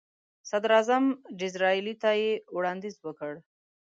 صدراعظم ډیزراییلي ته یې وړاندیز وکړ.